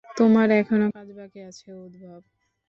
তোমার এখনো কাজ বাকি আছে, উদ্ধব।